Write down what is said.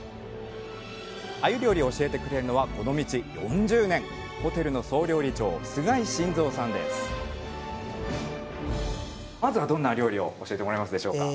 あゆ料理を教えてくれるのはこの道４０年まずはどんな料理を教えてもらえますでしょうか？